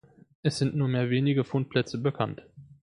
Es sind nur mehr wenige Fundplätze bekannt.